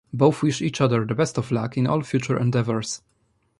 Both wish each other the best of luck in all future endeavors.